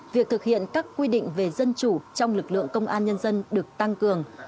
việc thực hiện các quy định về dân chủ trong lực lượng công an nhân dân được tăng cường